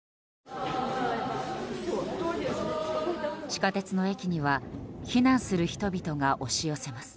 地下鉄の駅には避難する人々が押し寄せます。